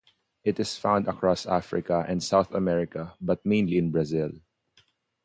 It is found across Africa and South America, but mainly in Brazil.